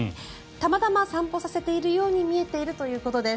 たまたま散歩させているように見えているということです。